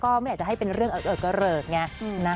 ก็ไม่อาจจะเป็นเรื่องเกลอเนี่ย